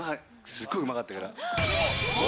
すごいうまかったから。